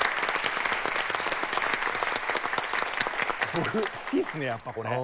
僕好きですねやっぱこれ。